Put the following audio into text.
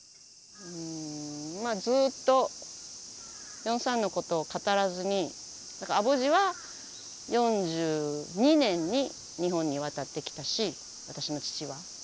ずっと４・３のことを語らずにアボジは４２年に日本に渡ってきたし私の父は。